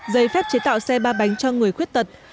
giấy phép chế tạo xe ba bánh cho người khuyết tật